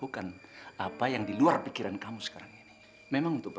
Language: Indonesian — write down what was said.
sampai jumpa di video selanjutnya